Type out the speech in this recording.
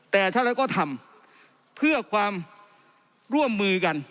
แต่ถ้าเราก็ทำเพื่อความร่วมมือกัน